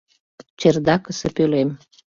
Чердакысе пӧлем